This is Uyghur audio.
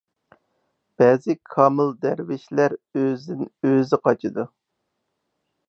بەزى كامىل دەرۋىشلەر ئۆزىدىن ئۆزى قاچىدۇ.